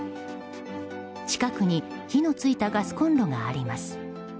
近くに火の付いたガスコンロがあります。